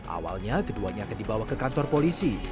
awalnya keduanya akan dibawa ke kantor polisi